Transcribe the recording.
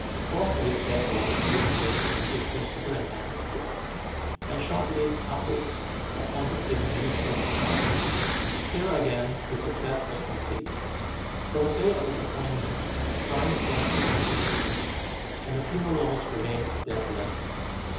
Forthwith, therefore, the duke made him Assistant Superintendent of Works, and shortly afterwards appointed him Minister of Crime. Here, again, his success was complete. From the day of his appointment crime is said to have disappeared, and the penal laws remained a dead letter.